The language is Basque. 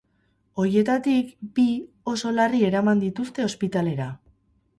Horietatik, bi oso larri eraman dituzte ospitalera.